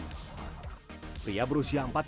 saya beruntung bisa belajar bermain jong dengan zainuddin